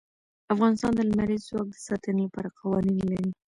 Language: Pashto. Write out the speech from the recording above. افغانستان د لمریز ځواک د ساتنې لپاره قوانین لري.